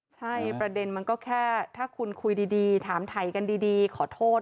ใช่ประเด็นมันก็แค่ถ้าคุณคุยดีถามถ่ายกันดีขอโทษ